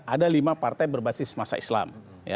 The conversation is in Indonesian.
ada lima partai berbasis masa islam